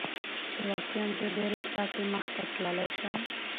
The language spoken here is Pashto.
چې واقعا زه دې رشته کې مخته تللى شم.